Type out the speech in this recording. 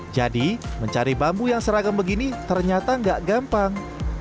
jadi mencari bambu yang seragam begini ternyata nggak gampang